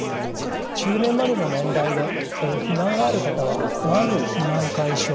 中年までの年代で肥満がある方はまず肥満解消